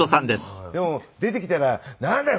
でも出てきたら「なんだよ。